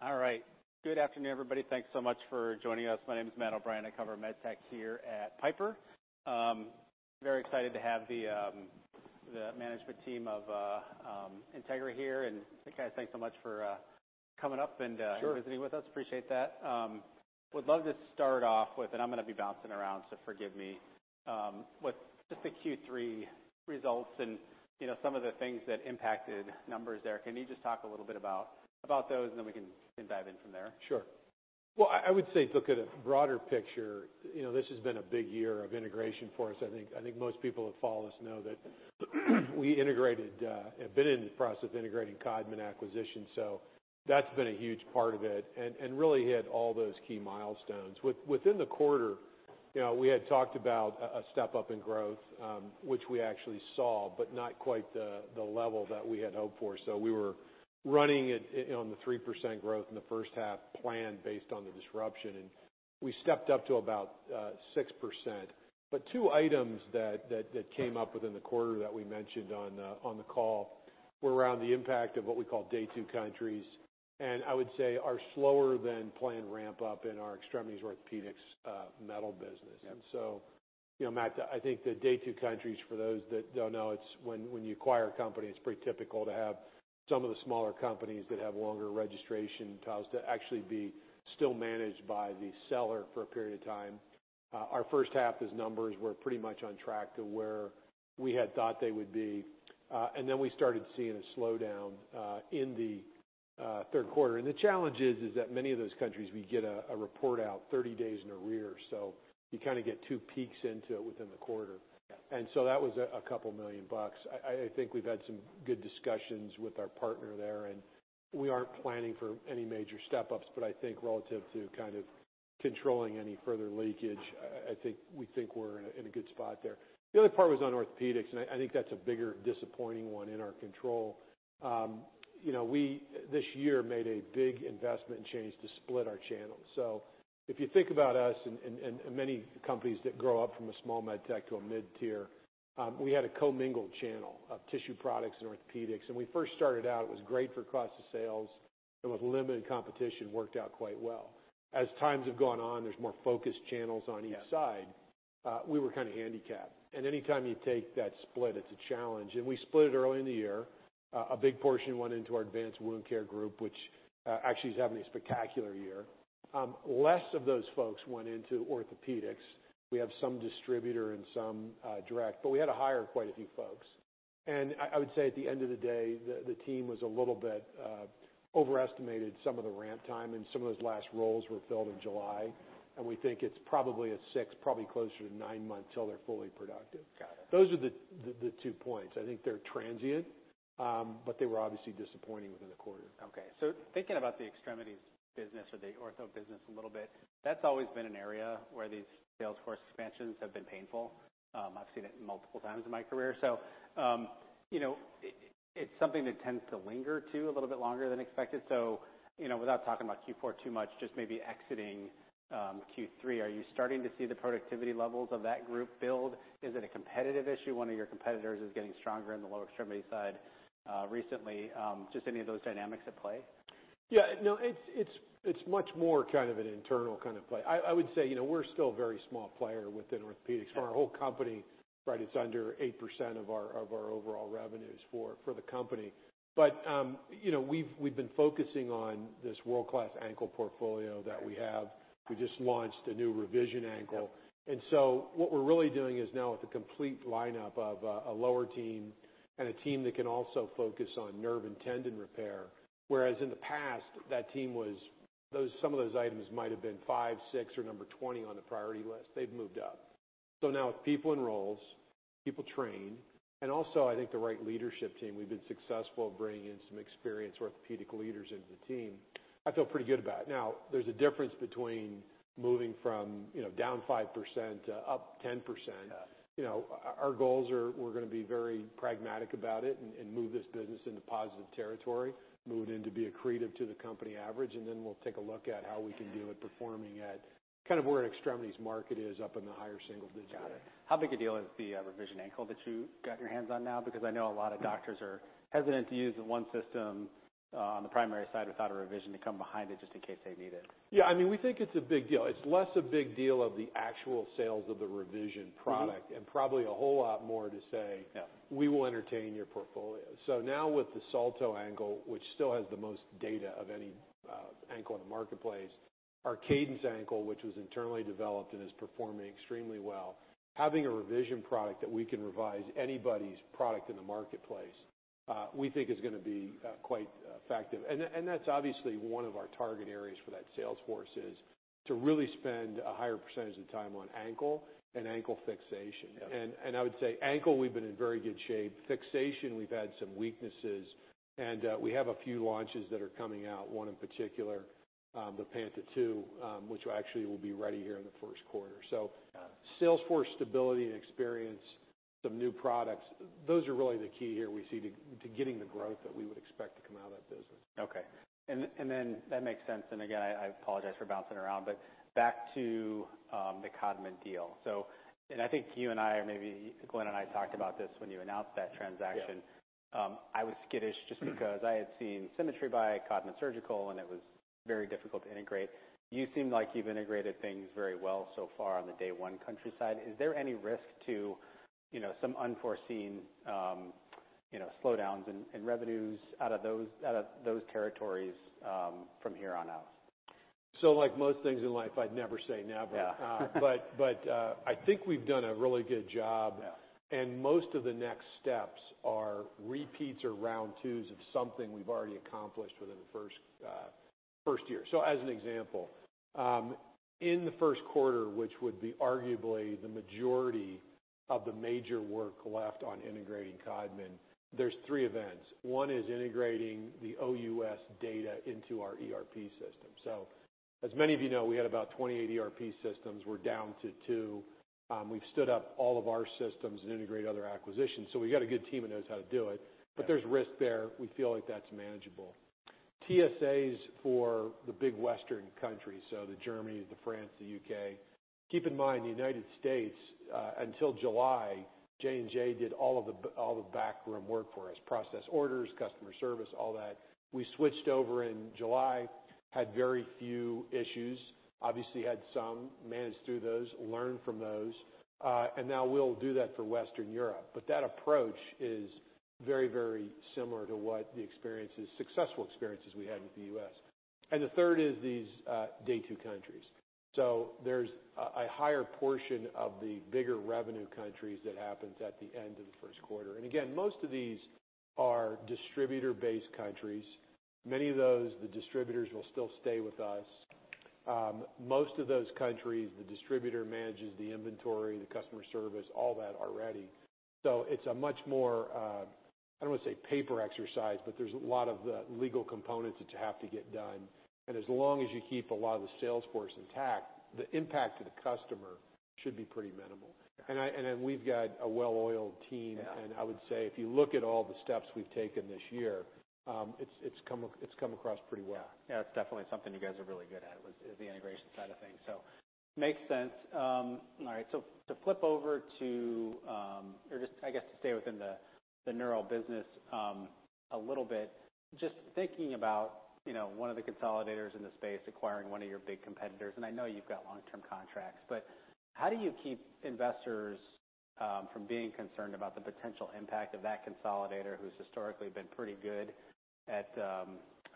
All right. Good afternoon, everybody. Thanks so much for joining us. My name is Matt O'Brien. I cover medtech here at Piper. Very excited to have the management team of Integra here, and I gotta thank so much for coming up and visiting with us. Appreciate that. Would love to start off with, and I'm gonna be bouncing around so forgive me, with just the Q3 results and, you know, some of the things that impacted numbers there. Can you just talk a little bit about those and then we can dive in from there? Sure, well, I would say look at a broader picture. You know, this has been a big year of integration for us. I think most people that follow us know that we integrated, have been in the process of integrating Codman acquisition. So that's been a huge part of it. And really hit all those key milestones. Within the quarter, you know, we had talked about a step up in growth, which we actually saw but not quite the level that we had hoped for. So we were running at, you know, 3% growth in the first half planned based on the disruption. We stepped up to about 6%, but two items that came up within the quarter that we mentioned on the call were around the impact of what we call Day 2 Countries. I would say a slower than planned ramp up in our extremities orthopedics metal business. And so, you know, Matt, I think the Day 2 Countries, for those that don't know, it's when you acquire a company. It's pretty typical to have some of the smaller companies that have longer registration timelines to actually be still managed by the seller for a period of time. Our first half's numbers were pretty much on track to where we had thought they would be, and then we started seeing a slowdown in the third quarter. The challenge is that many of those countries we get a report out thirty days in arrears, so you kinda get two peeks into it within the quarter. And so that was $2 million. I think we've had some good discussions with our partner there. And we aren't planning for any major step-ups. But I think relative to kind of controlling any further leakage, I think we think we're in a good spot there. The other part was on orthopedics. And I think that's a bigger disappointing one in our control. You know, we this year made a big investment and change to split our channels. So if you think about us and many companies that grow up from a small medtech to a mid-tier, we had a co-mingled channel of tissue products and orthopedics. And we first started out, it was great for cost of sales. It was limited competition. Worked out quite well. As times have gone on, there's more focused channels on each side. We were kinda handicapped, and anytime you take that split, it's a challenge, and we split it early in the year. A big portion went into our advanced wound care group, which, actually is having a spectacular year. Less of those folks went into orthopedics. We have some distributor and some direct, but we had to hire quite a few folks, and I would say at the end of the day, the team was a little bit overestimated some of the ramp time, and some of those last roles were filled in July, and we think it's probably a six, probably closer to nine months till they're fully productive. Got it. Those are the two points. I think they're transient, but they were obviously disappointing within the quarter. Okay. So thinking about the extremities business or the ortho business a little bit, that's always been an area where these sales force expansions have been painful. I've seen it multiple times in my career. So, you know, it's something that tends to linger too a little bit longer than expected. So, you know, without talking about Q4 too much, just maybe exiting Q3, are you starting to see the productivity levels of that group build? Is it a competitive issue? One of your competitors is getting stronger in the lower extremity side recently. Just any of those dynamics at play? Yeah. No, it's much more kind of an internal kind of play. I would say, you know, we're still a very small player within orthopedics. For our whole company, right, it's under 8% of our overall revenues for the company. But, you know, we've been focusing on this world-class ankle portfolio that we have. We just launched a new revision ankle. Okay. So what we're really doing is now with a complete lineup of a lower team and a team that can also focus on nerve and tendon repair. Whereas in the past, that team was. Some of those items might have been five, six, or number 20 on the priority list. They've moved up. So now with people in roles, people trained, and also I think the right leadership team, we've been successful bringing in some experienced orthopedic leaders into the team. I feel pretty good about it. Now, there's a difference between moving from, you know, down 5% to up 10%. You know, our goals are we're gonna be very pragmatic about it and move this business into positive territory. Move it in to be accretive to the company average. And then we'll take a look at how we can deal with performing at kind of where an extremities market is up in the higher single digits. Got it. How big a deal is the revision ankle that you got your hands on now? Because I know a lot of doctors are hesitant to use the one system on the primary side without a revision to come behind it just in case they need it. Yeah. I mean, we think it's a big deal. It's less a big deal of the actual sales of the revision product. Probably a whole lot more to say. We will entertain your portfolio. So now with the Salto ankle, which still has the most data of any ankle in the marketplace, our Cadence ankle, which was internally developed and is performing extremely well, having a revision product that we can revise anybody's product in the marketplace, we think is gonna be quite effective. And that's obviously one of our target areas for that sales force is to really spend a higher percentage of time on ankle and ankle fixation. I would say ankle we've been in very good shape. Fixation we've had some weaknesses. We have a few launches that are coming out. One in particular, the Panta II, which actually will be ready here in the first quarter. So, sales force stability and experience, some new products, those are really the key here we see to getting the growth that we would expect to come out of that business. Okay. And then that makes sense. And again, I apologize for bouncing around. But back to the Codman deal. So I think you and I or maybe Glenn and I talked about this when you announced that transaction. Yeah. I was skittish just because I had seen Symmetry by Codman Specialty Surgical and it was very difficult to integrate. You seem like you've integrated things very well so far on the Day 1 Countries side. Is there any risk to, you know, some unforeseen, you know, slowdowns in revenues out of those territories, from here on out? So like most things in life, I'd never say never. But, I think we've done a really good job. And most of the next steps are repeats or round twos of something we've already accomplished within the first, first year. So as an example, in the first quarter, which would be arguably the majority of the major work left on integrating Codman, there are three events. One is integrating the OUS data into our ERP system. So as many of you know, we had about 28 ERP systems. We're down to 2. We've stood up all of our systems and integrated other acquisitions. So we've got a good team that knows how to do it. But there's risk there. We feel like that's manageable. TSAs for the big western countries, so the Germany, the France, the UK. Keep in mind the United States, until July, J&J did all of the, all the backroom work for us. Process orders, customer service, all that. We switched over in July, had very few issues. Obviously had some, managed through those, learned from those, and now we'll do that for Western Europe. That approach is very, very similar to what the experiences, successful experiences we had with the U.S. The third is these Day 2 Countries. There's a higher portion of the bigger revenue countries that happens at the end of the first quarter. Again, most of these are distributor-based countries. Many of those, the distributors will still stay with us. Most of those countries, the distributor manages the inventory, the customer service, all that already. So it's a much more, I don't wanna say paper exercise, but there's a lot of legal components that you have to get done, and as long as you keep a lot of the sales force intact, the impact to the customer should be pretty minimal. I and then we've got a well-oiled team. And I would say if you look at all the steps we've taken this year, it's come across pretty well. Yeah. Yeah. It's definitely something you guys are really good at with the integration side of things. So makes sense. All right. So to flip over to, or just I guess to stay within the, the neuro business, a little bit, just thinking about, you know, one of the consolidators in the space acquiring one of your big competitors. And I know you've got long-term contracts. But how do you keep investors from being concerned about the potential impact of that consolidator who's historically been pretty good at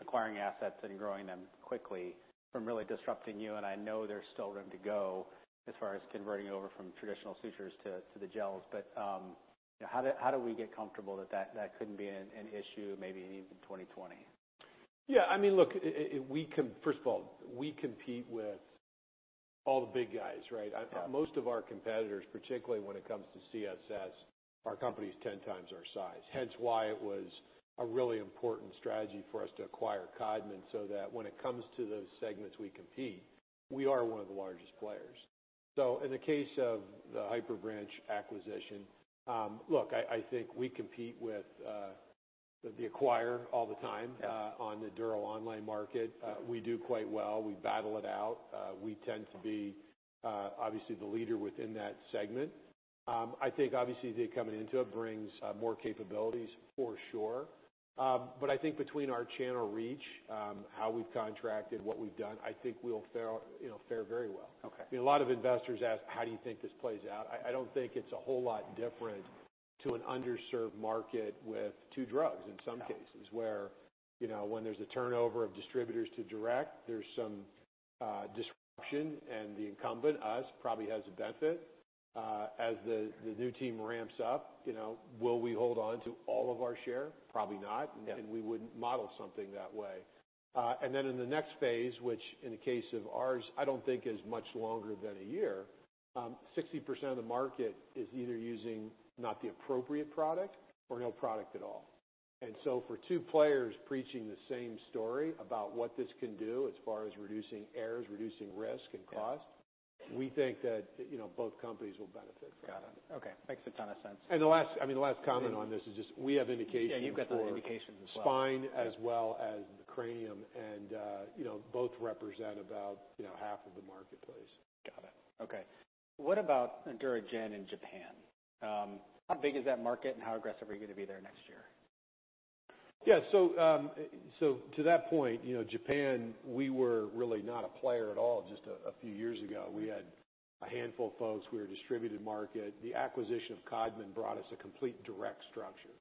acquiring assets and growing them quickly from really disrupting you? And I know there's still room to go as far as converting over from traditional sutures to the gels. But, you know, how do we get comfortable that that couldn't be an issue maybe in even 2020? Yeah. I mean, look, if we come first of all, we compete with all the big guys, right? Yeah. Most of our competitors, particularly when it comes to CSS, our competitor is ten times our size. Hence why it was a really important strategy for us to acquire Codman so that when it comes to those segments we compete, we are one of the largest players. So in the case of the HyperBranch acquisition, look, I think we compete with the acquirer all the time. Yeah. On the dural onlay market. We do quite well. We battle it out. We tend to be, obviously, the leader within that segment. I think obviously they coming into it brings more capabilities for sure. But I think between our channel reach, how we've contracted, what we've done, I think we'll fare, you know, very well. Okay. I mean, a lot of investors ask, how do you think this plays out? I don't think it's a whole lot different to an underserved market with two drugs in some cases. Yeah. Where, you know, when there's a turnover of distributors to direct, there's some disruption. And the incumbent, us, probably has a benefit as the new team ramps up, you know. Will we hold on to all of our share? Probably not. Yeah. And we wouldn't model something that way. And then in the next phase, which in the case of ours, I don't think is much longer than a year, 60% of the market is either using not the appropriate product or no product at all. And so for two players preaching the same story about what this can do as far as reducing errors, reducing risk, and cost. Yeah. We think that, you know, both companies will benefit from it. Got it. Okay. Makes a ton of sense. The last comment on this is just we have indications as well. Yeah. You've got the indications as well. Spine as well as the cranium. You know, both represent about, you know, half of the marketplace. Got it. Okay. What about DuraGen in Japan? How big is that market? And how aggressive are you gonna be there next year? Yeah. So to that point, you know, Japan, we were really not a player at all just a few years ago. We had a handful of folks. We were a distributed market. The acquisition of Codman brought us a complete direct structure.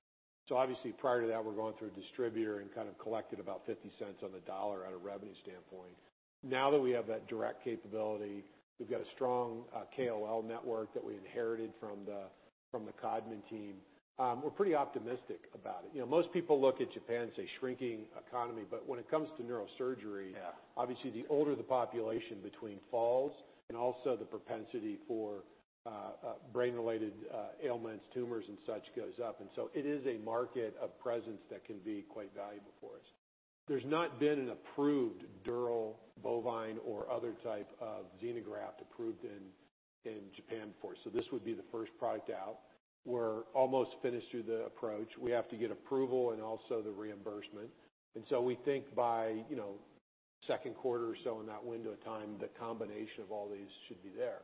So obviously prior to that, we're going through a distributor and kind of collected about $0.50 on the dollar out of revenue standpoint. Now that we have that direct capability, we've got a strong KOL network that we inherited from the Codman team. We're pretty optimistic about it. You know, most people look at Japan and say shrinking economy. But when it comes to neurosurgery. Obviously the older the population between falls and also the propensity for brain-related ailments, tumors, and such goes up. And so it is a market presence that can be quite valuable for us. There's not been an approved dural bovine or other type of xenograft approved in Japan before. So this would be the first product out. We're almost finished through the approach. We have to get approval and also the reimbursement. And so we think by, you know, second quarter or so in that window of time, the combination of all these should be there.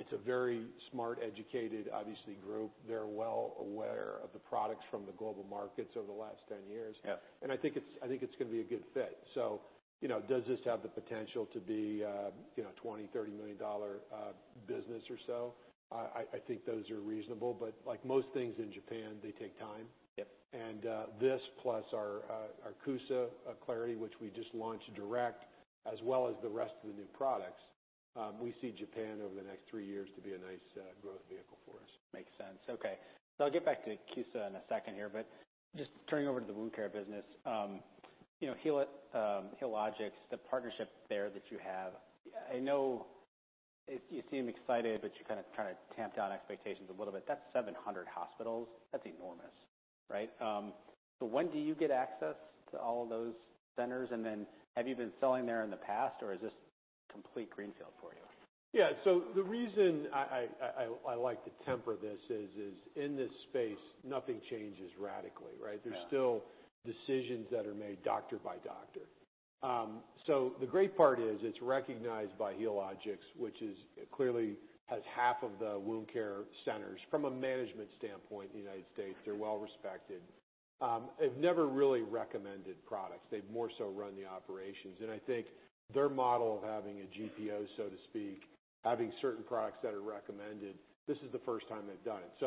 It's a very smart, educated, obviously, group. They're well aware of the products from the global markets over the last ten years. I think it's gonna be a good fit. So, you know, does this have the potential to be, you know, a $20-30 million business or so? I think those are reasonable. But like most things in Japan, they take time. This plus our CUSA Clarity, which we just launched direct, as well as the rest of the new products, we see Japan over the next three years to be a nice growth vehicle for us. Makes sense. Okay. So I'll get back to CUSA in a second here. But just turning over to the wound care business, you know, Healit, Healogics, the partnership there that you have, I know you seem excited, but you kind of try to tamp down expectations a little bit. That's 700 hospitals. That's enormous, right? So when do you get access to all of those centers? And then have you been selling there in the past? Or is this a complete greenfield for you? Yeah. So the reason I like to temper this is in this space, nothing changes radically, right? Yeah. There's still decisions that are made doctor by doctor. So the great part is it's recognized by Healogics, which is clearly has half of the wound care centers from a management standpoint in the United States. They're well respected. They've never really recommended products. They've more so run the operations. And I think their model of having a GPO, so to speak, having certain products that are recommended, this is the first time they've done it.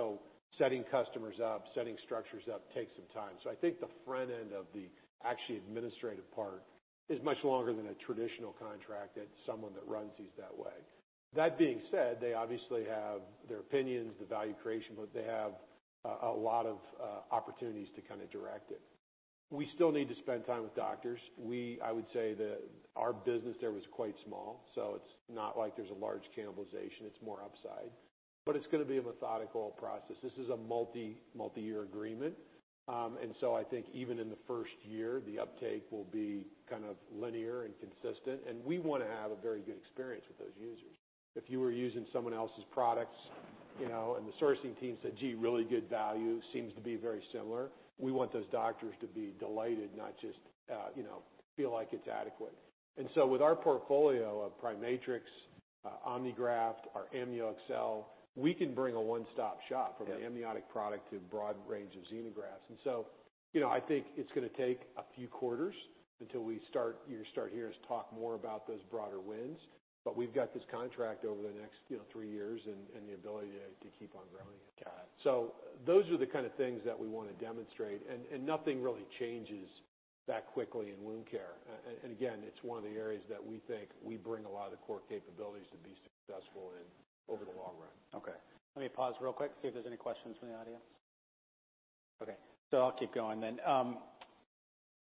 So setting customers up, setting structures up takes some time. So I think the front end of the actually administrative part is much longer than a traditional contract that someone that runs these that way. That being said, they obviously have their opinions, the value creation, but they have, a lot of, opportunities to kind of direct it. We still need to spend time with doctors. We, I would say that our business there was quite small. So it's not like there's a large cannibalization. It's more upside. But it's gonna be a methodical process. This is a multi, multi-year agreement. And so I think even in the first year, the uptake will be kind of linear and consistent. And we wanna have a very good experience with those users. If you were using someone else's products, you know, and the sourcing team said, "Gee, really good value, seems to be very similar," we want those doctors to be delighted, not just, you know, feel like it's adequate. And so with our portfolio of PriMatrix, Omnigraft, our AmnioExcel, we can bring a one-stop shop. From an amniotic product to a broad range of xenografts and so, you know, I think it's gonna take a few quarters until we start, you start hearing us talk more about those broader wins. But we've got this contract over the next, you know, three years and the ability to keep on growing. Got it. So those are the kind of things that we wanna demonstrate. And nothing really changes that quickly in wound care. And again, it's one of the areas that we think we bring a lot of the core capabilities to be successful in over the long run. Okay. Let me pause real quick, see if there's any questions from the audience. Okay, so I'll keep going then.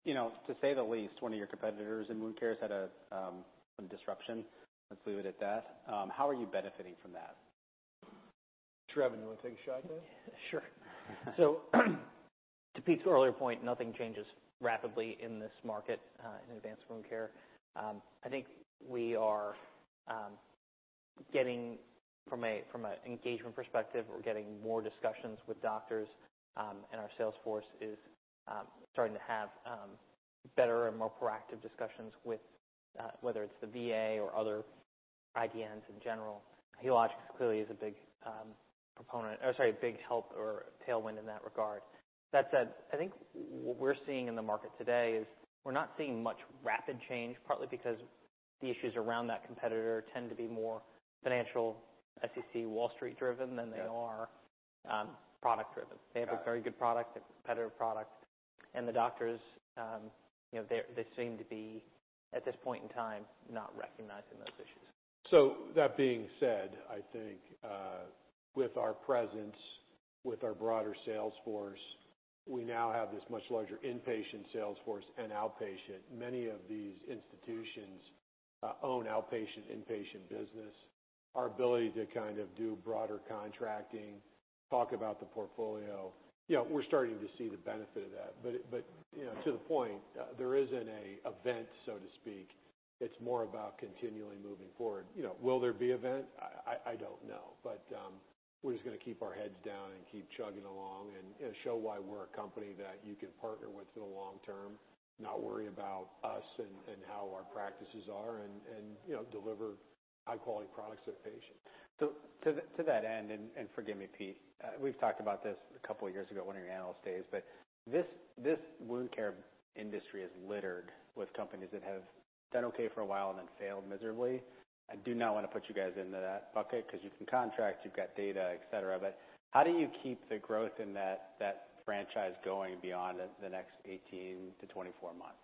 You know, to say the least, one of your competitors in wound care has had some disruption. Let's leave it at that. How are you benefiting from that? Trevor, do you wanna take a shot at that? Sure. So to Pete's earlier point, nothing changes rapidly in this market, in advanced wound care. I think we are getting from an engagement perspective, we're getting more discussions with doctors. And our sales force is starting to have better and more proactive discussions with whether it's the VA or other IDNs in general. Healogics clearly is a big proponent or sorry, a big help or tailwind in that regard. That said, I think what we're seeing in the market today is we're not seeing much rapid change, partly because the issues around that competitor tend to be more financial, SEC, Wall Street driven than they are product driven. They have a very good product, a competitive product, and the doctors, you know, they seem to be at this point in time not recognizing those issues. So that being said, I think with our presence, with our broader sales force, we now have this much larger inpatient sales force and outpatient. Many of these institutions own outpatient, inpatient business. Our ability to kind of do broader contracting, talk about the portfolio, you know, we're starting to see the benefit of that. But you know, to the point, there isn't an event, so to speak. It's more about continually moving forward. You know, will there be an event? I don't know. But we're just gonna keep our heads down and keep chugging along and, you know, show why we're a company that you can partner with in the long term, not worry about us and how our practices are and, you know, deliver high-quality products to the patient. To that end, and forgive me, Pete, we've talked about this a couple of years ago, one of your analyst days. But this wound care industry is littered with companies that have done okay for a while and then failed miserably. I do not wanna put you guys into that bucket 'cause you can contract, you've got data, etc. But how do you keep the growth in that franchise going beyond the next eighteen to twenty-four months?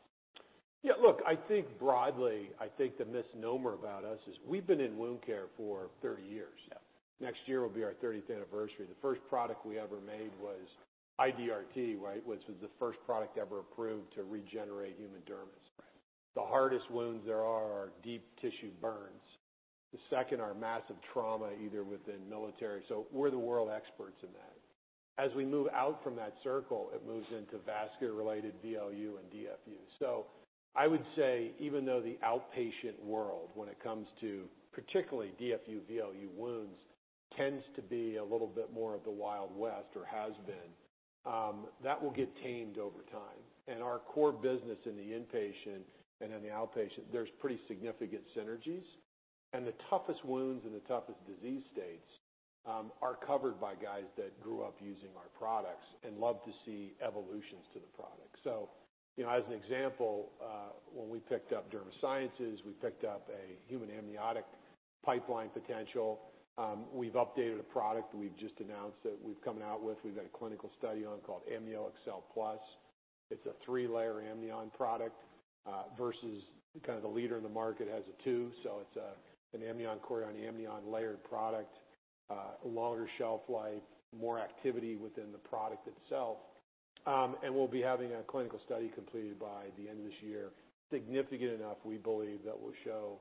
Yeah. Look, I think broadly, I think the misnomer about us is we've been in wound care for 30 years. Next year will be our thirtieth anniversary. The first product we ever made was IDRT, right? It was the first product ever approved to regenerate human dermis. Right. The hardest wounds there are deep tissue burns. The second are massive trauma either within military. So we're the world experts in that. As we move out from that circle, it moves into vascular-related VLU and DFU. So I would say even though the outpatient world, when it comes to particularly DFU, VLU wounds, tends to be a little bit more of the Wild West or has been, that will get tamed over time. Our core business in the inpatient and in the outpatient, there's pretty significant synergies. The toughest wounds and the toughest disease states are covered by guys that grew up using our products and love to see evolutions to the product. You know, as an example, when we picked up Derma Sciences, we picked up a human amniotic pipeline potential. We've updated a product we've just announced that we've come out with. We've got a clinical study on called AmnioExcel Plus. It's a three-layer amnion product, versus kind of the leader in the market has a two. So it's an amnionhorion-amnion layered product, longer shelf life, more activity within the product itself, and we'll be having a clinical study completed by the end of this year, significant enough we believe that will show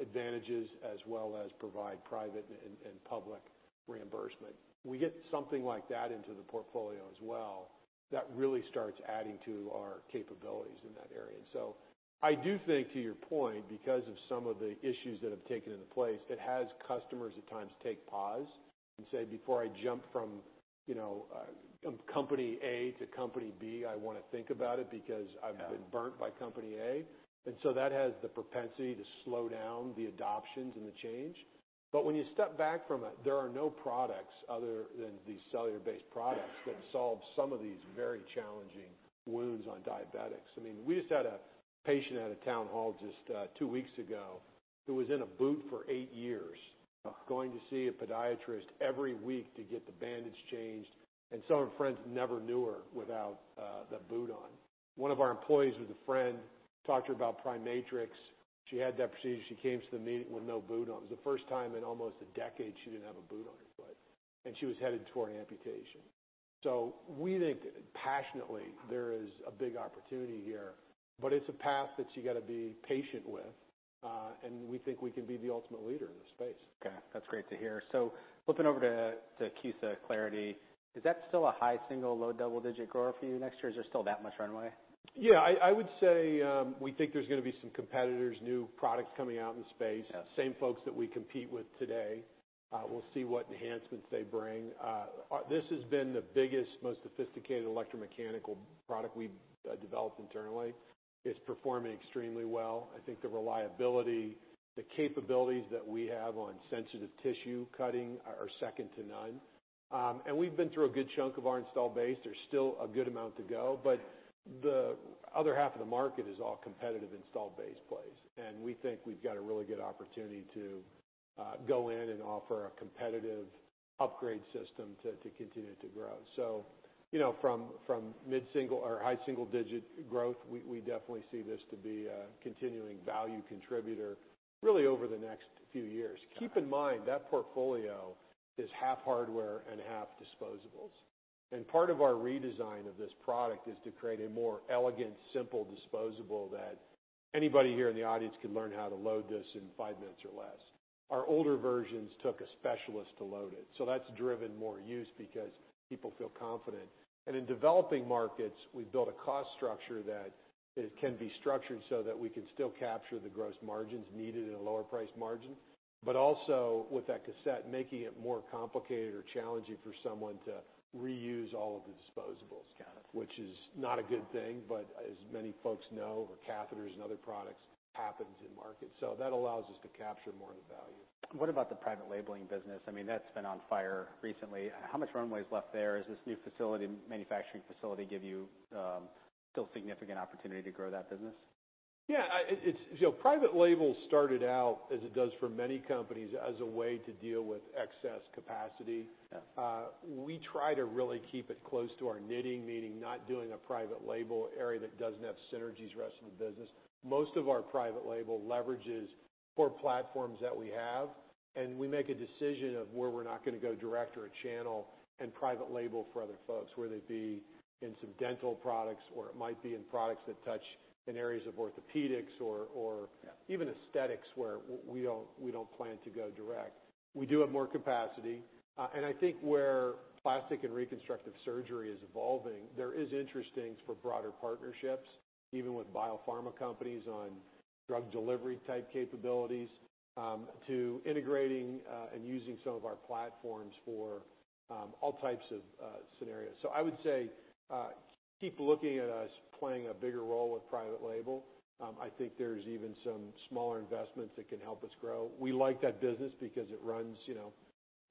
advantages as well as provide private and public reimbursement. We get something like that into the portfolio as well that really starts adding to our capabilities in that area. And so I do think to your point, because of some of the issues that have taken place, it has customers at times take pause and say, "Before I jump from, you know, company A to company B, I wanna think about it because I've been burnt by company A." And so that has the propensity to slow down the adoptions and the change. But when you step back from it, there are no products other than these cellular-based products that solve some of these very challenging wounds on diabetics. I mean, we just had a patient at a town hall just two weeks ago who was in a boot for eight years. Going to see a podiatrist every week to get the bandage changed, and some of her friends never knew her without the boot on. One of our employees was a friend, talked to her about PriMatrix. She had that procedure. She came to the meeting with no boot on. It was the first time in almost a decade she didn't have a boot on her foot, and she was headed toward amputation, so we think passionately there is a big opportunity here, but it's a path that you gotta be patient with, and we think we can be the ultimate leader in this space. Okay. That's great to hear. So flipping over to, to CUSA Clarity, is that still a high single, low double-digit grower for you next year? Is there still that much runway? Yeah. I would say, we think there's gonna be some competitors, new products coming out in the space. Same folks that we compete with today. We'll see what enhancements they bring. This has been the biggest, most sophisticated electromechanical product we've developed internally. It's performing extremely well. I think the reliability, the capabilities that we have on sensitive tissue cutting are second to none, and we've been through a good chunk of our installed base. There's still a good amount to go, but the other half of the market is all competitive installed base plays, and we think we've got a really good opportunity to go in and offer a competitive upgrade system to continue to grow, so you know, from mid-single or high single-digit growth, we definitely see this to be a continuing value contributor really over the next few years. Keep in mind that portfolio is half hardware and half disposables. And part of our redesign of this product is to create a more elegant, simple disposable that anybody here in the audience could learn how to load this in five minutes or less. Our older versions took a specialist to load it. So that's driven more use because people feel confident. And in developing markets, we've built a cost structure that can be structured so that we can still capture the gross margins needed at a lower price margin, but also with that cassette making it more complicated or challenging for someone to reuse all of the disposables. Got it. Which is not a good thing. But as many folks know, catheters and other products happen in markets. So that allows us to capture more of the value. What about the private labeling business? I mean, that's been on fire recently. How much runway is left there? Is this new facility, manufacturing facility, give you still significant opportunity to grow that business? Yeah, it's so private label started out, as it does for many companies, as a way to deal with excess capacity. We try to really keep it close to our knitting, meaning not doing a private label area that doesn't have synergies rest of the business. Most of our private label leverages core platforms that we have. And we make a decision of where we're not gonna go direct or a channel and private label for other folks, whether it be in some dental products or it might be in products that touch in areas of orthopedics or even aesthetics where we don't plan to go direct. We do have more capacity. And I think where plastic and reconstructive surgery is evolving, there is interest for broader partnerships, even with biopharma companies on drug delivery type capabilities, to integrating, and using some of our platforms for all types of scenarios. So I would say, keep looking at us playing a bigger role with private label. I think there's even some smaller investments that can help us grow. We like that business because it runs, you know,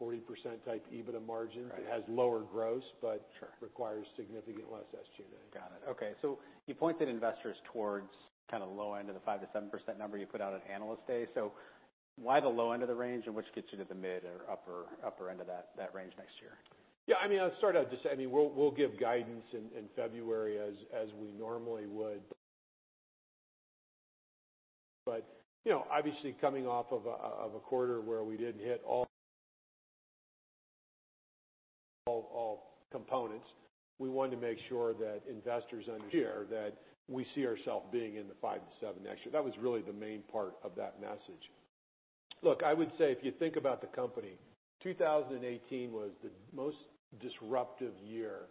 40% type EBITDA margins. Right. It has lower gross, but requires significantly less SG&A. Got it. Okay. So you pointed investors towards kind of low end of the 5%-7% number you put out at Analyst Day. So why the low end of the range, and which gets you to the mid or upper, upper end of that, that range next year? Yeah. I mean, I'll start out just. We'll give guidance in February as we normally would, but you know, obviously coming off of a quarter where we didn't hit all components, we wanted to make sure that investors understood that we see ourself being in the five to seven next year. That was really the main part of that message. Look, I would say if you think about the company, 2018 was the most disruptive year.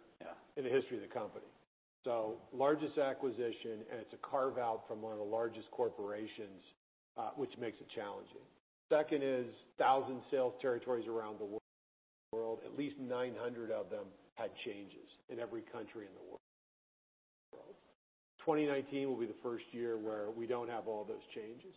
In the history of the company. So largest acquisition, and it's a carve-out from one of the largest corporations, which makes it challenging. Second is thousand sales territories around the world, at least 900 of them had changes in every country in the world. 2019 will be the first year where we don't have all those changes.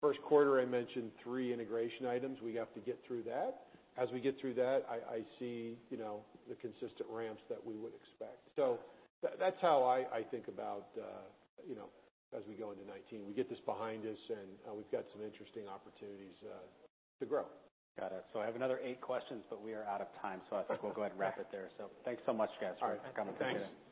First quarter, I mentioned three integration items. We have to get through that. As we get through that, I see, you know, the consistent ramps that we would expect. So that, that's how I think about, you know, as we go into 2019. We get this behind us and we've got some interesting opportunities to grow. Got it. So I have another eight questions, but we are out of time. So I think we'll go ahead and wrap it there. So thanks so much, guys, for coming to the meeting. All right. Thanks.